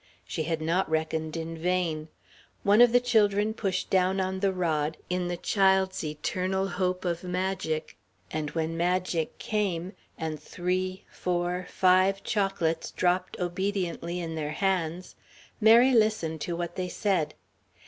She had not reckoned in vain. One of the children pushed down on the rod, in the child's eternal hope of magic, and when magic came and three, four, five chocolates dropped obediently in their hands, Mary listened to what they said.